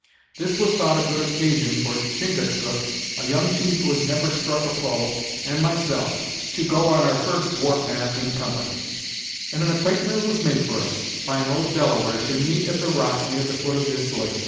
This was thought a good occasion for Chingachgook, a young chief who has never struck a foe, and myself; to go on our first war path in company, and an app'intment was made for us, by an old Delaware, to meet at the rock near the foot of this lake.